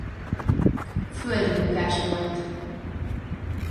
Földmunkás volt.